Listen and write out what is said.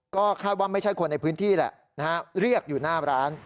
ก็คาดว่าไม่ใช่คนในพื้นที่แหละนะฮะเรียกอยู่หน้าร้าน